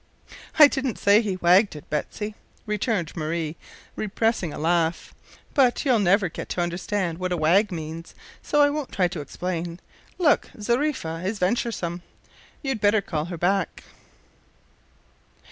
"I didn't say he wagged it, Betsy," returned Marie, repressing a laugh, "but you'll never get to understand what a wag means, so I won't try to explain. Look! Zariffa is venturesome. You'd better call her back."